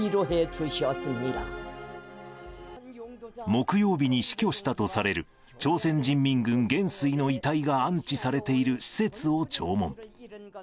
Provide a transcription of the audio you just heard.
木曜日に死去したとされる、朝鮮人民軍元帥の遺体が安置されている施設を弔問。